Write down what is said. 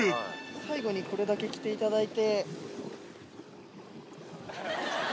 最後にこれだけ着ていただいて。